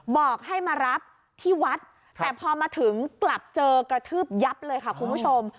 บอกให้มารับที่วัดแต่พอมาถึงกลับเจอกระทืบยับเลยค่ะคุณผู้ชม